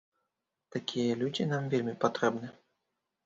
Такія людзі нам вельмі патрэбны.